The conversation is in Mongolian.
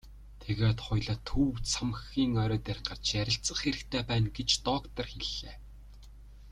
Тэгээд хоёулаа төв цамхгийн орой дээр гарч ярилцах хэрэгтэй байна гэж доктор хэллээ.